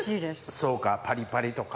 そうかパリパリとか。